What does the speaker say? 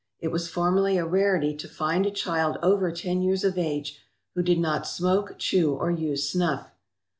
It was formerly a rarity to find a child over ten years of age who did not smoke, chew, or use snuff.